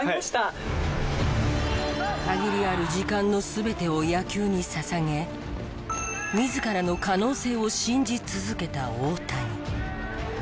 限りある時間の全てを野球に捧げ自らの可能性を信じ続けた大谷。